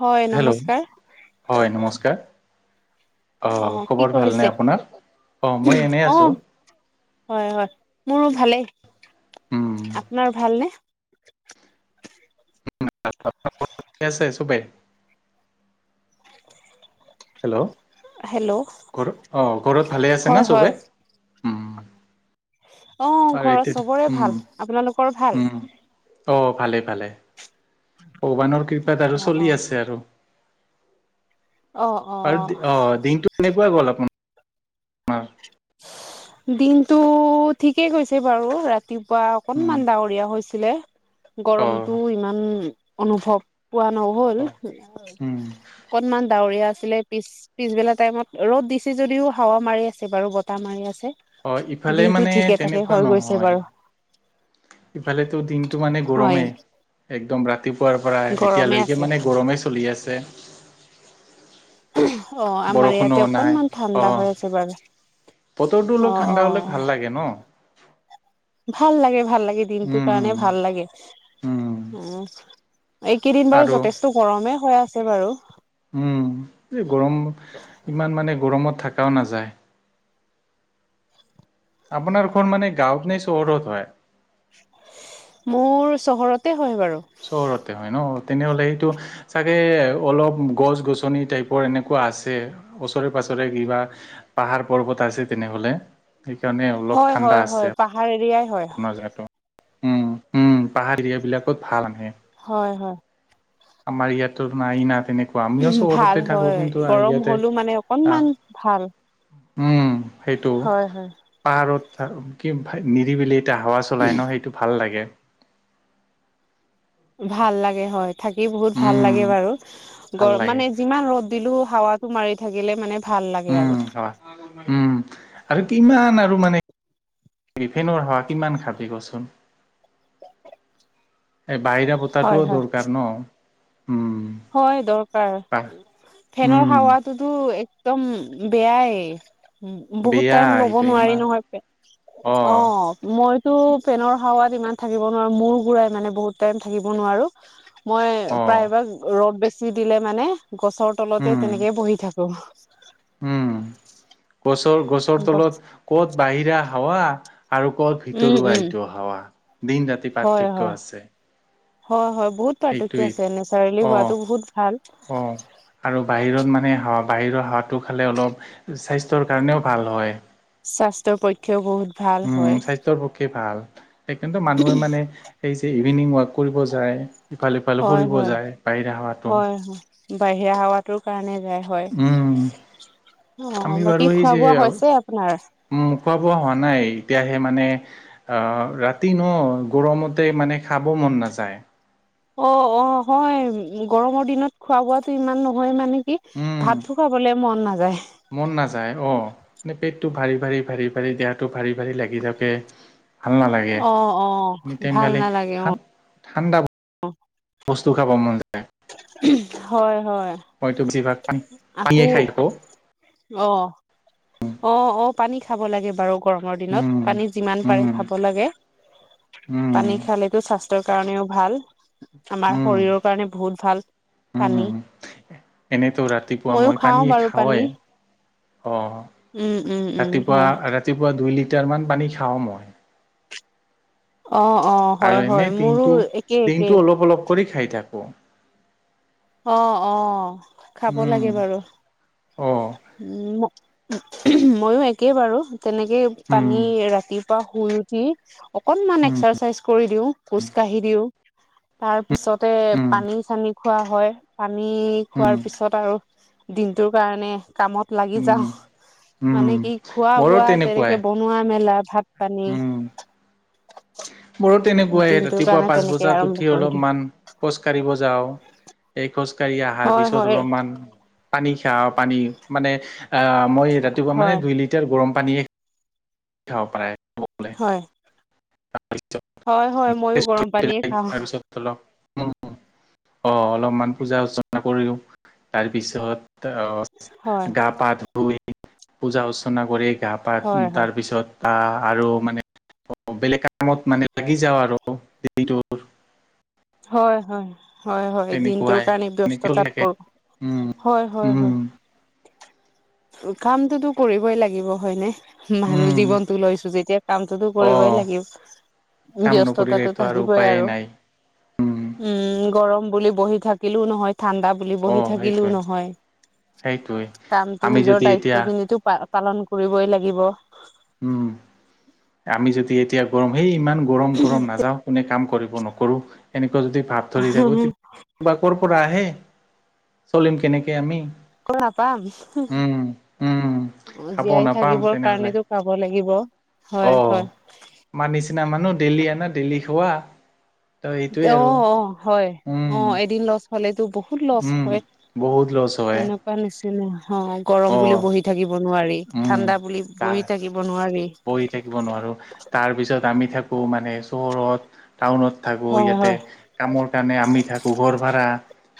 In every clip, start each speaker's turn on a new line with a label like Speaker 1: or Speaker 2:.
Speaker 1: হয়
Speaker 2: হেল্ল'
Speaker 1: নমস্কাৰ
Speaker 2: হয় নমস্কাৰ
Speaker 1: অ কি
Speaker 2: খবৰ ভালনে
Speaker 1: কৰিছে
Speaker 2: আপোনাৰ অ মই এনেই
Speaker 1: অ
Speaker 2: আছো
Speaker 1: হয় হয় মোৰো ভালেই
Speaker 2: উম
Speaker 1: আপোনাৰ ভালনে
Speaker 2: ঠিকে আছে চবেই হেল্ল'
Speaker 1: হেল্ল'
Speaker 2: ঘৰ অ ঘৰত ভালে আছে না
Speaker 1: হয় হয়
Speaker 2: চবেই
Speaker 1: অ
Speaker 2: আৰু
Speaker 1: ঘৰত
Speaker 2: এতিয়া
Speaker 1: চবৰে
Speaker 2: উম
Speaker 1: ভাল আপোনালোকৰ ভাল
Speaker 2: উম অ ভালে ভালে ভগৱানৰ কৃপাত
Speaker 1: অ
Speaker 2: আৰু
Speaker 1: অ
Speaker 2: চলি আছে আৰু
Speaker 1: অ অ
Speaker 2: আৰু অ দিনটো এনেকুৱা গ'ল আপ
Speaker 1: [unintelligible] দিনটো ঠিকেই গৈছে বাৰু ৰাতিপুৱা
Speaker 2: উম
Speaker 1: অকনমান ডাৱৰীয়া হৈছিলে
Speaker 2: অ
Speaker 1: গৰমতটো ইমান অনুভৱ পোৱা নহল
Speaker 2: অ উম
Speaker 1: অকনমান ডাৱৰীয়া আছিলে পিছ পিছবেলা টাইমত ৰ'দ দিছে যদিও হাৱা মাৰি আছে বাৰু ব বতাহ মাৰি আছে
Speaker 2: অ ইফালে
Speaker 1: দিনটো
Speaker 2: মানে
Speaker 1: ঠিকে থাকে
Speaker 2: তেনেকুৱা
Speaker 1: হৈ গৈছে
Speaker 2: নহয়
Speaker 1: বাৰু।
Speaker 2: ইফালেতো দিনতটো মানে
Speaker 1: হয়
Speaker 2: গৰমেই একদম ৰাতিপুৱাৰ পৰা
Speaker 1: গৰমে
Speaker 2: এতিয়ালৈকে
Speaker 1: আছে
Speaker 2: মানে গৰমেই চলি আছে।
Speaker 1: অ' আমাৰ
Speaker 2: বৰষুণো
Speaker 1: ইয়াতে
Speaker 2: নাই
Speaker 1: অকনমান
Speaker 2: অ
Speaker 1: ঠাণ্ডা হৈ আছে বাৰু।
Speaker 2: বতৰটো
Speaker 1: অ
Speaker 2: অলপ
Speaker 1: অ
Speaker 2: ঠাণ্ডা হলে ভাল লাগে ন?
Speaker 1: ভাল লাগে ভাল লাগে দিনটোৰ
Speaker 2: উম উম
Speaker 1: কাৰণে ভাল লাগে
Speaker 2: উম
Speaker 1: উম এইকেইদিন বাৰু
Speaker 2: আৰু
Speaker 1: যথেষ্ট গৰমে হৈ আছে বাৰু।
Speaker 2: উম এই গৰম ইমান মানে গৰমত থাকাও নাযায়। আপোনাৰ ঘৰৰ মানে গাঁৱত ন চহৰত হয়?
Speaker 1: মোৰ চহৰতে। হয় বাৰু
Speaker 2: চহৰতে হয় ন। তেনেহ'লে সেইটো চাগে অলপ গছ গছনি টাইপৰ এনেকুৱা আছে ওচৰে পাজৰে। উছলে কিবা পাহাৰ পৰ্বত আছে তেনেহলে সেইকাৰণে অলপ
Speaker 1: হয় হয়
Speaker 2: ঠাণ্ডা
Speaker 1: হয়
Speaker 2: আছে।
Speaker 1: পাহাৰ এৰিয়াই হয়
Speaker 2: মাজাটো উম উম পাহাৰীয়া বিলাকত ভাল আহে
Speaker 1: হয় হয়।
Speaker 2: আমাৰ ইয়াতো নাই না তেনেক আমিও
Speaker 1: ভাল
Speaker 2: চহৰতে থাকো
Speaker 1: হয়
Speaker 2: কিন্তু
Speaker 1: গৰম
Speaker 2: ইয়াতে
Speaker 1: হলো মানে
Speaker 2: আ
Speaker 1: অকনমান ভাল
Speaker 2: উম সেইটো
Speaker 1: হয় হয়
Speaker 2: পাহাৰত কি নিৰিবিলিত এতিয়া হাৱা চলাই ন সেইটো ভাল লাগে।
Speaker 1: ভাল লাগে হয় থাকি বহুত ভাল
Speaker 2: উম
Speaker 1: লাগে বাৰু
Speaker 2: ভাল
Speaker 1: গৰম
Speaker 2: লাগে
Speaker 1: মানে যিমান ৰ'দ দিলেও হাৱাটো মাৰি থাকিলে মানে ভাল লাগে
Speaker 2: উম
Speaker 1: আৰু।
Speaker 2: হয় উম আৰু কিমান আৰু মানে ৰিফেনৰ হাৱা কিমান খাবি কচোন?
Speaker 1: [unintelligible]
Speaker 2: এই বাহিৰা বতাহ
Speaker 1: হয়
Speaker 2: টোও
Speaker 1: হয়
Speaker 2: দৰকাৰ ন। উম
Speaker 1: হয় দৰকাৰ
Speaker 2: পাহ
Speaker 1: ফেনৰ
Speaker 2: উম
Speaker 1: হাৱটোতো একদম বেয়া এ। বহুত
Speaker 2: বেয়া
Speaker 1: টাইম ল'ব
Speaker 2: এইটো
Speaker 1: নোৱাৰি
Speaker 2: ইমান
Speaker 1: নহয়, অ', মই [unintelligible] পেনৰ হাৱাত ইমান থাকিব নোৱাৰো মূৰ ঘুৰাই মানে বহুত টাইম থাকিব নোৱাৰো। মই
Speaker 2: অ
Speaker 1: প্ৰায়ভাগ ৰ'দ বেছি দিলে মানে গছৰ তলতে
Speaker 2: উম
Speaker 1: তেনেকে বহি থাকো। [unintelligible]
Speaker 2: উম গছৰ গছৰ
Speaker 1: গছ
Speaker 2: তলত ক'ত বাহিৰা হাৱা আৰু ক'ত
Speaker 1: উম
Speaker 2: ভিতৰুৱা
Speaker 1: উম
Speaker 2: এইটো হাৱা দিন ৰাতি
Speaker 1: হয়
Speaker 2: পাৰ্থক্য
Speaker 1: হয়
Speaker 2: আছে।
Speaker 1: হয় হয়। বহুত পাৰ্থক্য
Speaker 2: এইটোৱেই
Speaker 1: আছে নেচাৰেলি
Speaker 2: অ
Speaker 1: হোৱাটো বহুত
Speaker 2: অ আৰু
Speaker 1: ভাল।
Speaker 2: বাহিৰত মানে হাৱা বাহিৰৰ হাৱাটো খালে অলপ স্বাস্থ্যৰ কাৰণেও ভাল হয়।
Speaker 1: স্বাস্থ্যৰ পক্ষে বহুত ভাল
Speaker 2: উম
Speaker 1: হয়
Speaker 2: স্বাস্থ্যৰ পক্ষে ভাল। সেইকাৰণে মানুহে মানে এই যে ইভিনিং ৱাক কৰিব যায় ইফালে সিফালে
Speaker 1: হয়
Speaker 2: ফুৰিব
Speaker 1: হয়
Speaker 2: যায় বাহিৰা হাৱাটো
Speaker 1: হয় হয় বাহিৰা হাৱাটো কাৰণে হয় হয়
Speaker 2: উম
Speaker 1: অ'
Speaker 2: আমি বাৰু
Speaker 1: বাকী
Speaker 2: এই
Speaker 1: খোৱা
Speaker 2: যে
Speaker 1: বোৱা হৈছে আপোনাৰ?
Speaker 2: উম খোৱা বোৱা হোৱা নাই, এতিয়াহে মানে অ', ৰাতি ন গৰমতে মানে খাব ম মন নাযায়।
Speaker 1: অ' অ' হয় গৰমৰ দিনত খোৱা বোৱাটো ইমান নহয় মানে কি
Speaker 2: উম,
Speaker 1: ভাতো খাবলে মন নাযায়।
Speaker 2: মন নাযায় অ' মানে পেটটো ভাৰি ভাৰি ভাৰি ভাৰি দেহাটো ভাৰি ভাৰি লাগি থাকে ভাল নালাগে
Speaker 1: অ অ
Speaker 2: এনে টাইম
Speaker 1: ভাল
Speaker 2: পালে
Speaker 1: নালাগে অ
Speaker 2: থাম ঠাণ্ডা বস্তু খাব মন যায়।
Speaker 1: হয় হয়
Speaker 2: মইতো বেছিভাগ পানী পানীয়ে
Speaker 1: আকৌ
Speaker 2: খাই থাকো
Speaker 1: অ' অ' অ' পানী খাব লাগে বাৰু গৰমৰ দিনত
Speaker 2: উম,
Speaker 1: পানী যিমান পাৰে
Speaker 2: উম,
Speaker 1: খাব লাগে।
Speaker 2: উম,
Speaker 1: পানী খালেতো স্বাস্থ্যৰ কাৰণেও ভাল। আমাৰ
Speaker 2: উম,
Speaker 1: শৰীৰৰ কাৰণে বহুত ভাল। পানী
Speaker 2: উম, এনেতো ৰাতিপুৱা
Speaker 1: ময়ো
Speaker 2: মই
Speaker 1: খাও
Speaker 2: পানীয়ে
Speaker 1: বাৰু পানী
Speaker 2: খাওঁয়ে। অ',
Speaker 1: উম উম উম
Speaker 2: ৰাতিপুৱা
Speaker 1: হয়
Speaker 2: ৰাতিপুৱা দুই লিটাৰ মান পানী খাওঁ মই।
Speaker 1: অ অ হয়
Speaker 2: আৰু
Speaker 1: হয়
Speaker 2: এনেই
Speaker 1: মোৰো
Speaker 2: দিনটো
Speaker 1: একেই
Speaker 2: দিনটো
Speaker 1: একেই
Speaker 2: অলপ অলপ কৰি খাই থাকো।
Speaker 1: অ', অ', খাব লাগে বাৰু।
Speaker 2: অ',
Speaker 1: উম ময়ো একে বাৰু তেনেকেই
Speaker 2: উম,
Speaker 1: পানী, ৰাতিপুৱা শুই উঠি অকনমান
Speaker 2: উম,
Speaker 1: এক্সাৰচাইজ কৰি দিওঁ, খোজ কাঢ়ি দিওঁ। তাৰ পিছতে
Speaker 2: উম,
Speaker 1: পানী-চানী খোৱা হয়। পানী
Speaker 2: উম।
Speaker 1: খোৱাৰ পিছত আৰু দিনটোৰ কাৰণে কামত লাগি
Speaker 2: উম,
Speaker 1: যাঁও। মানে
Speaker 2: উম,
Speaker 1: কি
Speaker 2: মোৰো
Speaker 1: খোৱা-বোৱা
Speaker 2: তেনেকুৱাই
Speaker 1: তেনেকে বনোৱা-মেলা ভাত পানী
Speaker 2: উম, মোৰো তেনেকুৱাই,
Speaker 1: দিনটোৰ
Speaker 2: ৰাতিপুৱা
Speaker 1: কাৰণে
Speaker 2: পাঁচ
Speaker 1: তেনেকে
Speaker 2: বজাত
Speaker 1: আৰম্ভ
Speaker 2: উঠি
Speaker 1: কৰি দিওঁ
Speaker 2: অলপমান খোজ কাঢ়িব যাওঁ। এই খোজকাঢ়ি আহাৰ
Speaker 1: হয়
Speaker 2: পিছত
Speaker 1: হয়
Speaker 2: অলপমান পানী খাও। পানী মানে আ মই ৰাতিপুৱা মানে
Speaker 1: হয়
Speaker 2: দুই লিটাৰ গৰম পানীয়ে খাব পাৰে
Speaker 1: হয়, হয় হয়। ময়ো গৰম পানীয়ে খাওঁ।
Speaker 2: উম। অ', অলপমান পূজা অৰ্চনা কৰিলো। তাৰপিছত অ',
Speaker 1: হয়
Speaker 2: গা-পা ধুই পূজা-অৰ্চনা কৰি গাপা উম,
Speaker 1: হয় হয়
Speaker 2: তাৰপিছত আ-আৰু মানে [unintelligible] বেলেগ কাৰ কামত মানে লাগি যাওঁ আৰু দিনটোত।
Speaker 1: হয়, হয়। হয়, হয়। দিনটোৰ কাৰণে
Speaker 2: এনেকে চলি থাকে
Speaker 1: ব্যস্ততাপূৰ্ণ। হয়, হয়, হয়।
Speaker 2: উম
Speaker 1: কামটোতো কৰিবই লাগিব হয়নে। মানুহ
Speaker 2: উম
Speaker 1: জীৱনতো লৈছো যেতিয়া কামটোতো
Speaker 2: অ
Speaker 1: কৰিবই লাগিব।
Speaker 2: কাম
Speaker 1: ব্যস্ততা
Speaker 2: নকৰিলেতো
Speaker 1: থাকিবই
Speaker 2: উপায়েই
Speaker 1: আৰু।
Speaker 2: নাই উম
Speaker 1: উম। গৰম বুলি বহি থাকিলোও নহয়। ঠাণ্ডা বুলি
Speaker 2: অ
Speaker 1: বহি থাকিলোও
Speaker 2: সেইটোৱে
Speaker 1: নহয়,
Speaker 2: সেইটোৱে
Speaker 1: কামটো
Speaker 2: আমি যদি
Speaker 1: নিজৰ
Speaker 2: এতিয়া
Speaker 1: দায়িত্বখিনিতো প পালন কৰিবই লাগিব।
Speaker 2: উম। আমি যদি এতিয়া কঙ সেই ইমান গৰম- গৰম নাযাও, কোনে কাম কৰ কৰিব- নকৰোঁ। এনেকুৱা যদি ভাৱ ধৰি থাকো তে কৰপৰা আহে? চলিম কেনেকে আমি?
Speaker 1: নাপাম।
Speaker 2: উম উম খাব
Speaker 1: জীয়াই থাকিবৰ কাৰণেতো খাব লাগিব। হয়,
Speaker 2: অ'হ।
Speaker 1: হয়,
Speaker 2: আমাৰ নিচিনা মানুহ ডেইলি আনা ডেইলি খোৱা। ত' এইটোৱে আৰু
Speaker 1: অ' অ' হয়।
Speaker 2: উম,
Speaker 1: অ' এদিন লছ হলেটো বহুত লছ
Speaker 2: উম,
Speaker 1: হয়।
Speaker 2: বহুত লছ হয়
Speaker 1: তেনেকুৱা নিচিনা। অ' গৰম বুলি
Speaker 2: অ',
Speaker 1: বহি থাকিব নোৱাৰি।
Speaker 2: উম।
Speaker 1: ঠাণ্ডা বুলি বহি
Speaker 2: তাত
Speaker 1: থাকিব নোৱাৰি।
Speaker 2: পৰি থাকিব নোৱাৰো। তাৰ পিছত আমি থাকো মানে চহৰত। টাউনত থাকো
Speaker 1: হয়,
Speaker 2: ইয়াতে।
Speaker 1: হয়।
Speaker 2: কামৰ কাৰণে আমি থাকো। ঘৰ ভাড়া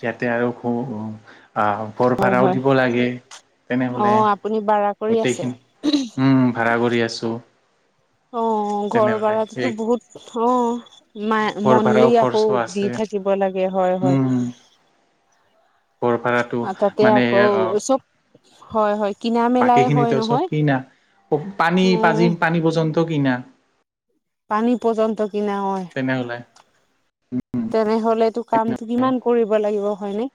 Speaker 2: ইয়াতে আৰু খু আহ ঘৰ ভাড়াও
Speaker 1: হয় হয়
Speaker 2: দিব লাগে।
Speaker 1: অ
Speaker 2: তেনেহলে
Speaker 1: আপুনি ভাড়া কৰি আছে
Speaker 2: গোটেইখিনি। উম ভাড়া কৰি আছো।
Speaker 1: অ ঘৰ
Speaker 2: তেনেহ'লে এই
Speaker 1: ভাড়াটোতো বহুত। অ'হ। মাই
Speaker 2: ঘৰ
Speaker 1: মনলি
Speaker 2: ভাড়াও
Speaker 1: আকৌ
Speaker 2: খৰচো
Speaker 1: দি
Speaker 2: আছে
Speaker 1: থাকিব লাগে, হয়, হয়।
Speaker 2: উম, ঘৰ ভাড়াটো
Speaker 1: আ তাতে
Speaker 2: মানে
Speaker 1: আকৌ চব, হয়, হয়। কিনা
Speaker 2: বাকী
Speaker 1: মেলাই হয়
Speaker 2: খিনিতো চব
Speaker 1: নহয়
Speaker 2: কিনা। প-পানী,
Speaker 1: অ
Speaker 2: পাজি, পানী পৰ্যন্ত কিনা।
Speaker 1: পানী পৰ্যন্ত ক কিনা হয়।
Speaker 2: তেনেহ'লে
Speaker 1: তেনেহলেতো কামটো কিমান কৰিব লাগিব। হয় নে।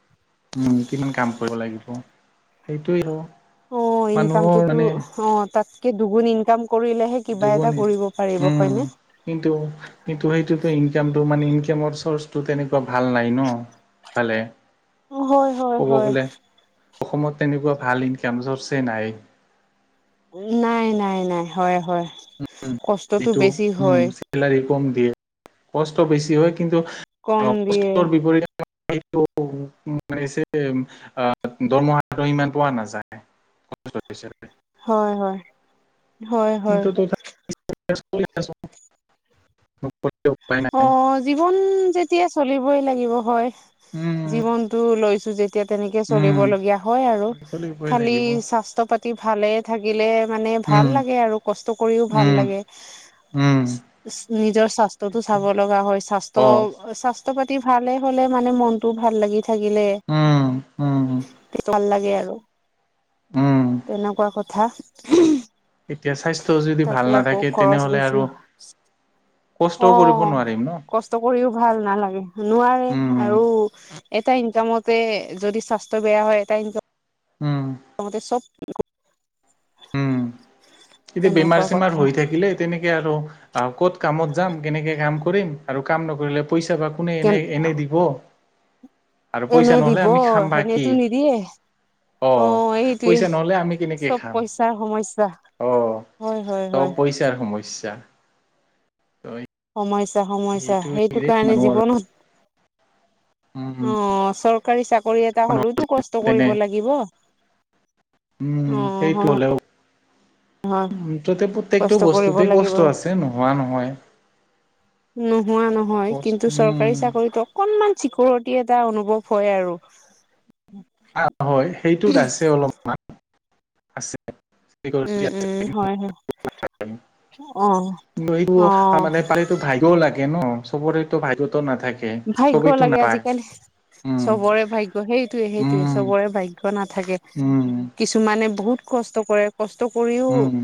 Speaker 2: উম, কিমান কাম কৰিব লাগিব। সেইটোয়ে অ'।
Speaker 1: অ', ইনকামটোতো, অ', তাতকে দুগুণ ইনকাম কৰিলেহে কিবা এটা
Speaker 2: দুগুণে
Speaker 1: কৰিব পা
Speaker 2: উম, কিন্তু কিন্তু সেইটোতো ইনকামটো মানি ইনকামৰ চৰ্চ টো তেনেকুৱা ভাল নাই ন ইফালে।
Speaker 1: হয় হয়, হয়।
Speaker 2: অসমত তেনেকুৱা ভাল ইনকাম চ'ৰ্ছেই নাই।
Speaker 1: নাই, নাই, নাই, হয়, হয়।
Speaker 2: উম
Speaker 1: কষ্টটো
Speaker 2: যিটো
Speaker 1: বেছি
Speaker 2: উম
Speaker 1: হয়
Speaker 2: চেলাৰি কম দিয়ে। কষ্ট বেছি হয় কিন্তু
Speaker 1: কম দিয়ে
Speaker 2: কষ্ট বিপৰীতেটো। মানে দৰমহাটো ইমান পোৱা নাযায়। [unintelligible]
Speaker 1: হয়, হয়, হয়, হয়।
Speaker 2: কিন্তু তথাপি [unintelligible] উপায় নাই
Speaker 1: অ', জীৱন যেতিয়া চলিবই লাগিব হয়।
Speaker 2: উম।
Speaker 1: জীৱনতটো লৈছো যেতিয়া, তেনেকে
Speaker 2: উম
Speaker 1: চলিবলগীয়া হয় আৰু
Speaker 2: চলিবই
Speaker 1: খালি
Speaker 2: লাগিব
Speaker 1: স্বাস্থ্য পাতি ভালে থাকিলে মানে ভাল
Speaker 2: উম
Speaker 1: লাগে আৰু কষ্ট কৰিও ভাল
Speaker 2: উম
Speaker 1: লাগে
Speaker 2: উম
Speaker 1: নিজৰ স্বাস্থ [unintelligible]
Speaker 2: সেইটোৱে
Speaker 1: চাব লগা হয় স্বাস্থ্য
Speaker 2: অ
Speaker 1: স্বাস্থ্য পাতি ভালে হ'লে মানে মনটোও ভাল লাগি থাকে থাকিলে
Speaker 2: উম উম
Speaker 1: ভাল আৰু
Speaker 2: উম
Speaker 1: তেনেকুৱা কথা।
Speaker 2: এতিয়া স্বাস্থ্য যদি ভাল
Speaker 1: তাকে আকৌ
Speaker 2: নাথাকে
Speaker 1: খৰচ
Speaker 2: তেনেহলে আৰু
Speaker 1: বেছি। [unintelligible]
Speaker 2: কষ্টও কৰিব
Speaker 1: অ',
Speaker 2: নোৱাৰিম ন
Speaker 1: কষ্ট কৰিও ভাল নালাগে, নোৱাৰে
Speaker 2: উম
Speaker 1: আৰু এটা ইনকামতে যদি স্বাস্থ্য বেয়া হয় এটা ইনকাম
Speaker 2: উম
Speaker 1: আম চব
Speaker 2: উম এতিয়া
Speaker 1: তেনেকুৱা
Speaker 2: বেমাৰ চেমাৰ
Speaker 1: কথা
Speaker 2: হৈ থাকিলে তেনেকে আৰু ক'ত কামত যাম কেনেকে কাম। কৰিম আৰু কাম নকৰিলে পইচা বা কোনে
Speaker 1: কেন
Speaker 2: এনে এনে দিব। আৰু
Speaker 1: এনে
Speaker 2: পইচা নহ'লে
Speaker 1: দিব
Speaker 2: আমি খাম বা কি?
Speaker 1: এনেতো নিদিয়ে
Speaker 2: অ পইচা নহ'লে আমি কেনেকে
Speaker 1: চব
Speaker 2: খাম।
Speaker 1: পইচাৰ সমস্যা
Speaker 2: অ
Speaker 1: হয় হয়
Speaker 2: চব
Speaker 1: হয়
Speaker 2: পইচাৰ সমস্যা। ত
Speaker 1: সমস্যা সমস্যা সেই টো কাৰণে
Speaker 2: মানুহৰ
Speaker 1: জীৱনৰ
Speaker 2: উম
Speaker 1: চৰকাৰে চৰকাৰী চাকৰি এটা
Speaker 2: মানুহৰ
Speaker 1: হ'লেওতো কষ্ট
Speaker 2: তেনে
Speaker 1: কৰিব লাগিব।
Speaker 2: উম সেইটো
Speaker 1: হয়
Speaker 2: হ'লে।
Speaker 1: হয়
Speaker 2: মুঠতে
Speaker 1: কষ্ট
Speaker 2: প্ৰত্যেকটো
Speaker 1: কৰিব
Speaker 2: বস্তুতে
Speaker 1: লাগিব
Speaker 2: কষ্ট আছে নোহোৱা নহয়।
Speaker 1: নোহোৱা নহয়
Speaker 2: কষ্ট
Speaker 1: কিন্তু চৰকাৰী
Speaker 2: উম
Speaker 1: চাকৰিতো অকনমান চিকৰিটি এটা অনুভৱ হয় আৰু।
Speaker 2: অ', হয় সেইটোত আছে অলপমান, আছে। এইটো
Speaker 1: উম, উ, হয়, হয়। অ
Speaker 2: [unintelligible] ভাগ্যও
Speaker 1: অ
Speaker 2: লাগে। থাকে ন, চবৰেতো ভাগ্যতো নাথাকে।
Speaker 1: ভাগ্য
Speaker 2: চবেইতো
Speaker 1: লাগে
Speaker 2: নাপায়
Speaker 1: আজিকালি,
Speaker 2: উম
Speaker 1: চবৰে ভাগ্য সেইটোৱে সেইটোৱে
Speaker 2: উম
Speaker 1: চবৰে ভাগ্য নাথ থাকে
Speaker 2: উম
Speaker 1: কিছুমানে বহুত কষ্ট কৰে। কষ্ট কৰিও।
Speaker 2: উম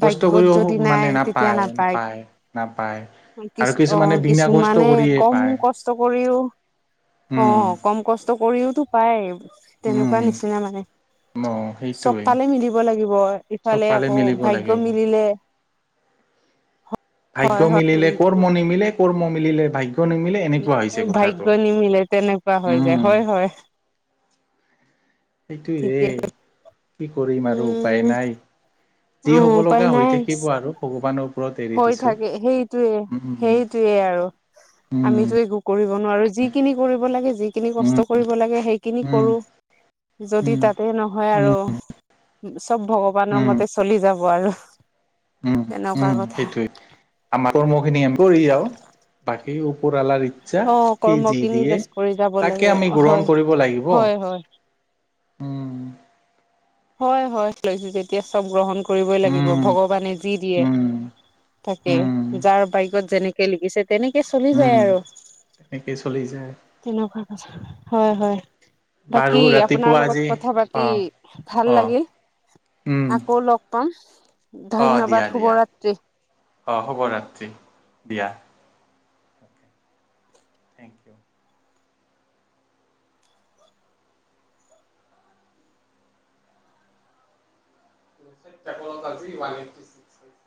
Speaker 2: কষ্ট
Speaker 1: ভাগ্যত
Speaker 2: কৰিও
Speaker 1: যদি নাই
Speaker 2: মানে
Speaker 1: তেতিয়া নাপায়।
Speaker 2: নাপায়
Speaker 1: কি
Speaker 2: আৰু
Speaker 1: অ
Speaker 2: কিছুমানে বিনা
Speaker 1: কিছু
Speaker 2: কষ্ট
Speaker 1: মানে
Speaker 2: কৰিয়ে
Speaker 1: অক কম
Speaker 2: পায়
Speaker 1: কষ্ট কৰিও অ
Speaker 2: উম
Speaker 1: কম কষ্ট কৰিওতো পায়। তেনেকুৱা
Speaker 2: উম
Speaker 1: নিচিনা মানে।
Speaker 2: অ
Speaker 1: চব
Speaker 2: সেইটোৱেই।
Speaker 1: ফালে মিলিব লাগিব ইফালে আকৌ ভাগ্য মিলিলে। হয়
Speaker 2: ভাগ্যয়
Speaker 1: হয়
Speaker 2: মিলিলে কৰ্ম নিমিলে কৰ্ম মিলিলে ভাগ্য। নিমিলে এনেকুৱা হৈছে
Speaker 1: ভাগ্য
Speaker 2: কথাটো
Speaker 1: নিমিলে তেনেকুৱা হৈ যায়
Speaker 2: উম।
Speaker 1: হয় হয়
Speaker 2: সেইটোৱে ৰে
Speaker 1: ঠিকেই
Speaker 2: কি কৰিম আৰু উপায়
Speaker 1: উম
Speaker 2: নাই।
Speaker 1: অ
Speaker 2: যি হব
Speaker 1: উপায়
Speaker 2: লগা হৈ
Speaker 1: নাই
Speaker 2: থাকিব আৰু ভগৱানৰ ওপৰত এৰি
Speaker 1: হৈ
Speaker 2: দিছো।
Speaker 1: থাকে সেইটোয়ে
Speaker 2: উম,
Speaker 1: সেইটোৱে আৰু আমিতো একো কৰিব নোৱাৰো যিখিনি কৰিব লাগে যিখিনি
Speaker 2: উম,
Speaker 1: কষ্ট কৰিব লাগে সেইখিনি
Speaker 2: উম,
Speaker 1: কৰো, যদি
Speaker 2: উম,
Speaker 1: তাতে নহয়
Speaker 2: উম,
Speaker 1: আৰু চব ভগৱানৰ
Speaker 2: উম,
Speaker 1: মতে চলি চলিজাব আৰু তেনেকুৱা কথা
Speaker 2: সেইটোোৱে আমাৰ কৰ্ম খিনি আম কৰি বাকী ওপৰলাৰ [unintelligible]
Speaker 1: অ' কৰ্ম কিনি জষ্ট কৰি যাব
Speaker 2: তাকে
Speaker 1: লাগে
Speaker 2: আমি গ্ৰহণ
Speaker 1: হয়
Speaker 2: কৰিব লাগিব।
Speaker 1: হয় হয়। [inaudible]
Speaker 2: উম,
Speaker 1: হয় হয় লৈছো যেতিয়া চব গ্ৰহণ কৰ কৰিবই লাগিব
Speaker 2: উম,
Speaker 1: ভগৱানে যি দিয়ে
Speaker 2: উম,
Speaker 1: তাকে
Speaker 2: উম,
Speaker 1: যাৰ ভাইগত যেনেকে লিখিছে তেনেকে চলি যায়
Speaker 2: উম।
Speaker 1: আৰু
Speaker 2: তেনেকেই চলি যায়
Speaker 1: তেনেকুৱা কথা হয়, হয় বাকী
Speaker 2: বাৰু
Speaker 1: আপোনাৰ
Speaker 2: ৰাতিপুৱা আজি
Speaker 1: লগত কথা পাতি
Speaker 2: অ
Speaker 1: ভাল
Speaker 2: অ
Speaker 1: লাগিল
Speaker 2: উম
Speaker 1: আকৌ লগ পাম
Speaker 2: অ দিয়া
Speaker 1: ধন্যবাদ
Speaker 2: দিয়া
Speaker 1: শুভৰাত্ৰি।
Speaker 2: অ', শুভ শুভৰাত্ৰি দিয়া। Thank U. [inaudible]